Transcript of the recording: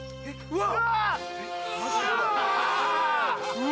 うわ！